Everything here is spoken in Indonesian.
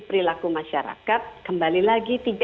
perilaku masyarakat kembali lagi